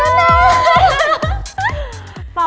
คือที่สุดแล้ว